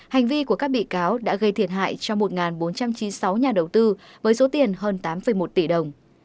hành vi của các bị cáo đã gây thiệt hại cho một bốn trăm chín mươi sáu nhà đầu tư với số tiền hơn tám một tỷ đồng